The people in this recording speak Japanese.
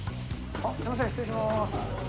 あっ、すみません、失礼します。